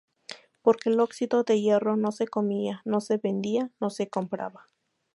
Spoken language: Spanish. Porque el óxido de hierro no se comía, no se vendía, no se compraba.